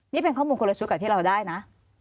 นี่เป็นข้อมูลคนละชุดกับที่เราได้นะ